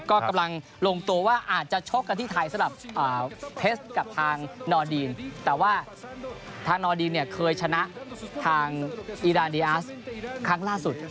ก็กำลังลงตัวว่าอาจจะชกกันที่ไทยสำหรับเพชรกับทางนอดีนแต่ว่าทางนอดีนเนี่ยเคยชนะทางอีรานดีอาร์สครั้งล่าสุด